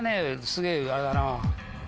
すげぇあれだな。